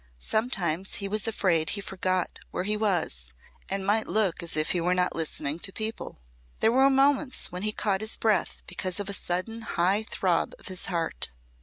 Sometimes he was afraid he forgot where he was and might look as if he were not listening to people. There were moments when he caught his breath because of a sudden high throb of his heart.